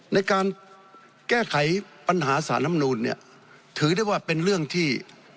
ในการแก้ไขปัญหาสารลำนูนเนี่ยถือได้ว่าเป็นเรื่องที่